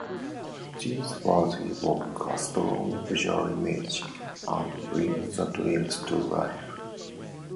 These words evoke a strong visual image and bring the dreams to life.